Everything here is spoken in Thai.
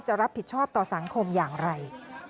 จะรับผิดชอบต่อสังคมอย่างไร